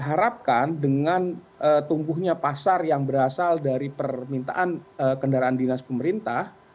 harapkan dengan tumbuhnya pasar yang berasal dari permintaan kendaraan dinas pemerintah